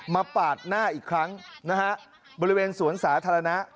ปาดหน้าอีกครั้งนะฮะบริเวณสวนสาธารณะ